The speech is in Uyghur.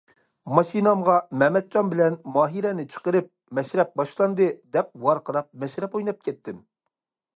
ماشىنامغا مەمەتجان بىلەن ماھىرەنى چىقىرىپ« مەشرەپ باشلاندى...» دەپ ۋارقىراپ مەشرەپ ئويناپ كەتتىم.